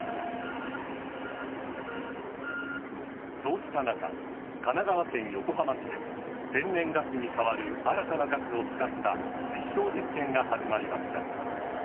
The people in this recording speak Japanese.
そうした中神奈川県横浜市で天然ガスに代わる新たなガスを使った実証実験が始まりました。